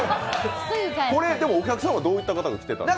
お客さんはどういった方が来てたんですか？